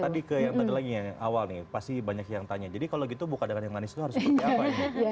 tadi ke yang tadi lagi yang awal nih pasti banyak yang tanya jadi kalau gitu buka dengan yang manis itu harus seperti apa